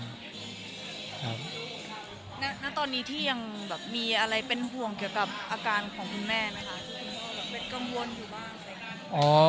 ณตอนนี้ที่ยังมีอะไรเป็นห่วงเกี่ยวกับอาการของคุณแม่นะคะ